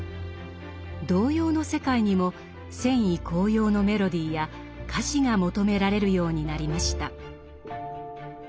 童謡の世界にも戦意高揚のメロディーや歌詞が求められるようになりました。